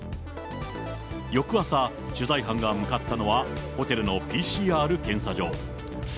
翌朝、取材班が向かったのはホテルのＰＣＲ検査場。